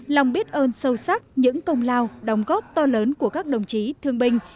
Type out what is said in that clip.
lòng biết ơn sâu sắc những công lao đóng góp to lớn của các đồng chí thương binh